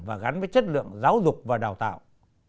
và gắn với chất lượng giáo dục và đào tạo